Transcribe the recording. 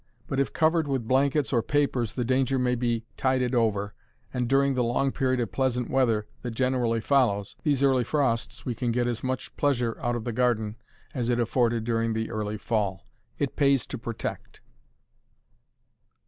But if covered with blankets or papers the danger may be tided over, and during the long period of pleasant weather that generally follows these early frosts we can get as much pleasure out of the garden as it afforded during the early fall. It pays to protect.